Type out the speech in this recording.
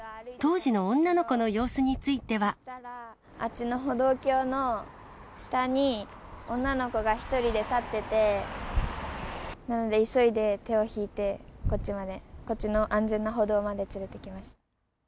あっちの歩道橋の下に、女の子が１人で立ってて、なので急いで手を引いて、こっちまで、こっちの安全な歩道まで連れてきました。